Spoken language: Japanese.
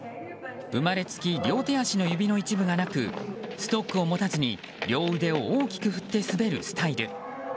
生まれつき両手足の指の一部がなくストックを持たずに両腕を大きく振って滑るスタイル。